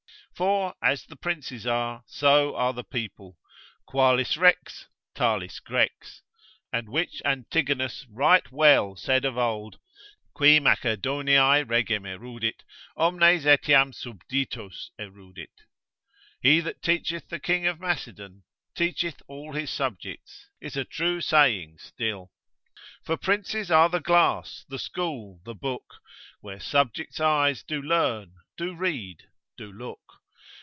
For as the Princes are, so are the people; Qualis Rex, talis grex: and which Antigonus right well said of old, qui Macedonia regem erudit, omnes etiam subditos erudit, he that teacheth the king of Macedon, teacheth all his subjects, is a true saying still. For Princes are the glass, the school, the book, Where subjects' eyes do learn, do read, do look.